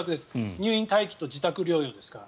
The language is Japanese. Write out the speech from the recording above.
入院待機と自宅療養ですから。